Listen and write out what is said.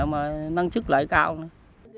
mà năng chức lại cao nữa